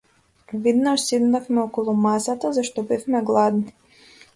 Веднаш седнавме околу масата зашто бевме гладни.